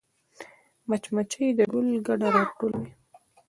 مچمچۍ د ګل ګرده راټولوي